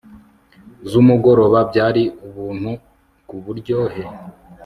zumugoroba byari ubuntu kuburyohe